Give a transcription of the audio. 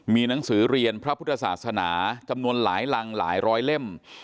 มีหนังสือเรียนพระพุทธศาสนาจำนวนหลายรังหลายร้อยเล่ม